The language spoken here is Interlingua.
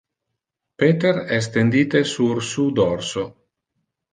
Peter es tendite sur su dorso.